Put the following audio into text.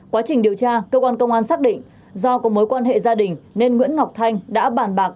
quá trình điều tra cơ quan công an xác định do có mối quan hệ gia đình nên nguyễn ngọc thanh đã bàn bạc